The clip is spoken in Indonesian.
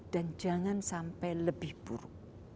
dan jangan sampai lebih buruk